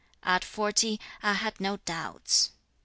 3. 'At forty, I had no doubts.